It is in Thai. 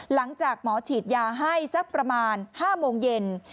หลังจากหมอฉีดยาให้สักประมาณ๕โมงเย็น